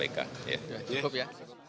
ya cukup ya